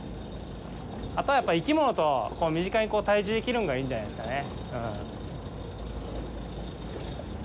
あとは、やっぱり生き物と身近に対峙できるのがいいんじゃないですかね。